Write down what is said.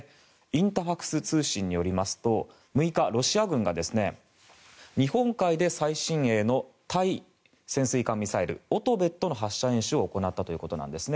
インタファクス通信によりますと６日、ロシア軍が日本海で最新鋭の対潜水艦ミサイル、オトベットの発射演習を行ったということです。